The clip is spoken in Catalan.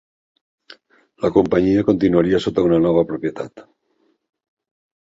La companyia continuaria sota una nova propietat.